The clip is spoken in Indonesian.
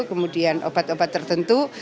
kemudian obat obat tertentu